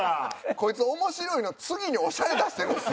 こいつ「面白い」の次に「オシャレ」出してるんですよ。